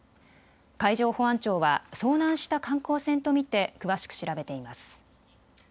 海上保安庁は遭難した観光船と見て詳しく調べています。